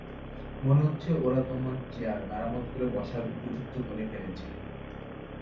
মনে হচ্ছে ওরা তোমার চেয়ার মেরামত করে বসার উপযুক্ত করে ফেলেছে।